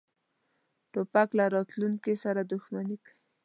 توپک له راتلونکې سره دښمني کوي.